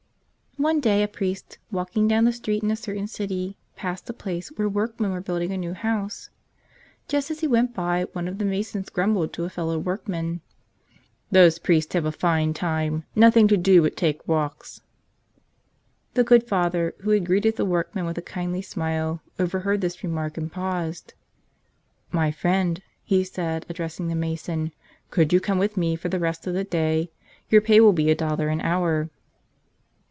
ONE DAY a priest, walking down a street in a certain city, passed a place where workmen were building a new house. Just as he went by one of the masons grumbled to a fellow workman : "Those priests have a fine time — nothing to do but take walks !" The good Father, who had greeted the workmen with a kind smile, overheard this remark and paused. "My friend," he said, addressing the mason, "could you come with me for the rest of the day? Your pay will be a dollar an hour."